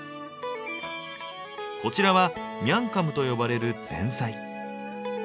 こちらは「ミャンカム」と呼ばれる前菜。